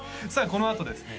このあとですね